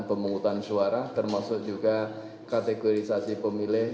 pemungutan suara termasuk juga kategorisasi pemilih